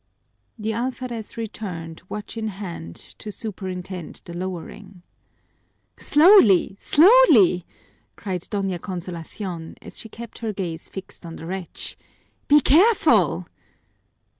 The alferez returned, watch in hand, to superintend the lowering. "Slowly, slowly!" cried Doña Consolacion, as she kept her gaze fixed on the wretch. "Be careful!"